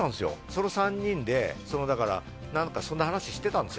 その３人でだから何かそんな話してたんですよ